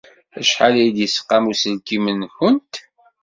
Acḥal ay d-yesqam uselkim-nwent?